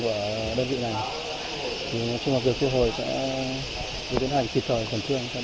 sẽ đứng tránh những trường hợp để đưa ra ngoài cơ sở